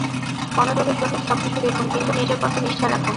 মনোযোগের সহিত সব কিছু দেখুন, কিন্তু নিজের পথে নিষ্ঠা রাখুন।